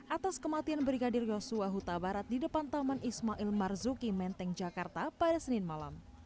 atas kematian brigadir yosua huta barat di depan taman ismail marzuki menteng jakarta pada senin malam